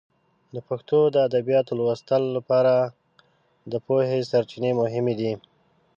د پښتو د ادبیاتو د لوستلو لپاره د پوهې سرچینې مهمې دي.